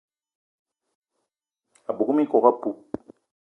A bug minkok apoup